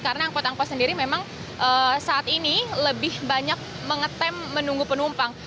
karena angkot angkot sendiri memang saat ini lebih banyak mengetem menunggu penumpang